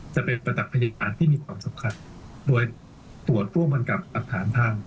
จะเป็นประตักพิจารณ์ที่มีความสำคัญโดยตรวจร่วมกับอัตภาพทาง